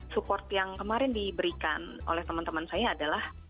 support yang kemarin diberikan oleh teman teman saya adalah